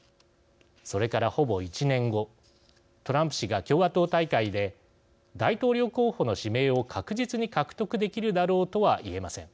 それからほぼ１年後トランプ氏が共和党大会で大統領候補の指名を確実に獲得できるだろうとは言えません。